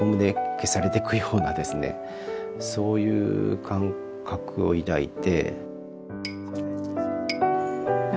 そういう感覚を抱いて。